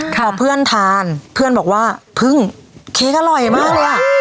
พอเพื่อนทานเพื่อนบอกว่าพึ่งเค้กอร่อยมากเลยอ่ะ